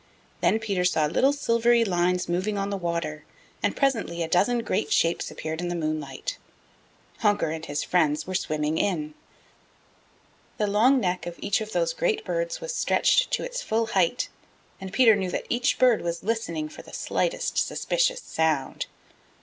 Then Peter saw little silvery lines moving on the water and presently a dozen great shapes appeared in the moonlight. Honker and his friends were swimming in. The long neck of each of those great birds was stretched to its full height, and Peter knew that each bird was listening for the slightest suspicious sound.